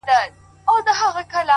هره ورځ نوی فرصت لري!